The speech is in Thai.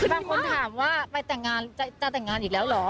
บางคนถามว่าไปแต่งงานจะแต่งงานอีกแล้วเหรอ